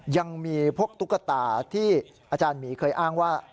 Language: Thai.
ยังมีพวกตุ๊กตาที่อาจารย์หมีเคยอ้างว่า